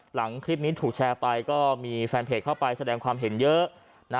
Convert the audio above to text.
หลังคลิปนี้ถูกแชร์ไปก็มีแฟนเพจเข้าไปแสดงความเห็นเยอะนะ